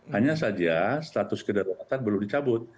hanya saja status kedaruratan belum dicabut